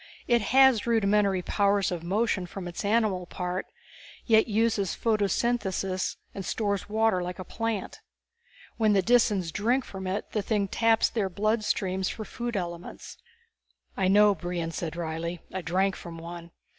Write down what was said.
It has rudimentary powers of motion from its animal part, yet uses photosynthesis and stores water like a plant. When the Disans drink from it the thing taps their blood streams for food elements." "I know," Brion said wryly. "I drank from one.